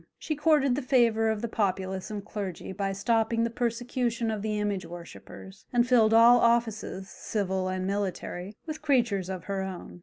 She courted the favour of the populace and clergy by stopping the persecution of the image worshippers, and filled all offices, civil and military, with creatures of her own.